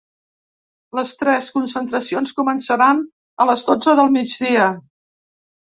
Les tres concentracions començaran a les dotze del migdia.